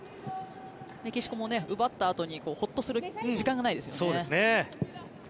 メキシコも奪ったあとにホッとする時間がないですよね。